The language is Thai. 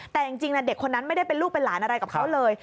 แต่จริงเด็กคนนั้นไม่ได้เป็นลูกเป็นหลานอะไรกับเขาเลย